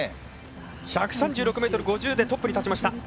１３６ｍ５０でトップに立ちました。